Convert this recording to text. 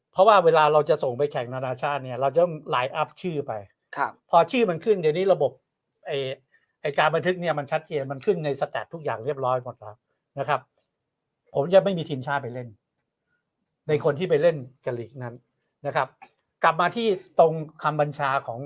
เพราะว่าเวลาเราจะส่งไปแข่งนานาชาติเนี่ยเราจะต้องลายอัพชื่อไปครับพอชื่อมันขึ้นเดี๋ยวนี้ระบบไอ้การบันทึกเนี่ยมันชัดเจนมันขึ้นในสแตปทุกอย่างเรียบร้อยหมดแล้วนะครับผมจะไม่มีทีมชาติไปเล่นในคนที่ไปเล่นกับลีกนั้นนะครับกลับมาที่ตรงคำบัญชาของ